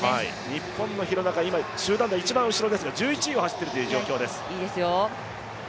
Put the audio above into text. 日本の廣中、集団の一番後ろですが１１位を走っている状況です。